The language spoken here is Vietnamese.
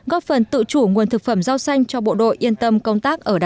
góp phần tự chủ nguồn thực phẩm rau xanh cho bộ đội yên tâm công tác ở đảo